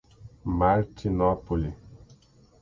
Martinópole